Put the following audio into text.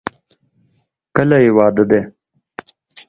کله یې واده دی؟